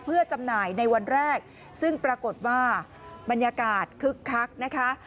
เพื่อจำหน่ายในวันแรกซึ่งปรากฏว่าบรรยากาศคึกคักนะคะ